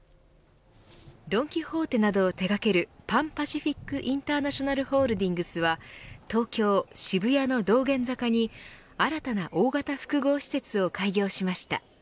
ドン・キホーテなどを手掛けるパン・パシフィック・インターナショナルホールディングスは東京・渋谷の道玄坂に新たな大型複合施設を開業しました。